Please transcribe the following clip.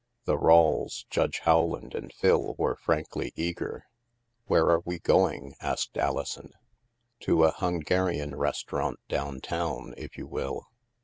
The Rawles, Judge Rowland, and Phil were frankly eager. Where are we going ?" asked Alison. To a Hungarian restaurant down town, if you will.